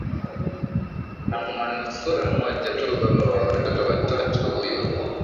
na manusura mmoja tu baba wa watoto watatu huyu